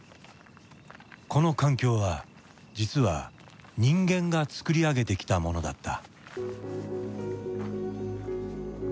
この環境は実は人間が作り上げてきたものだった。